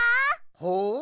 ほう！